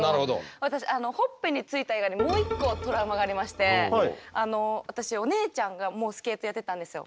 私ほっぺについた以外にもう一個トラウマがありまして私お姉ちゃんもスケートやってたんですよ。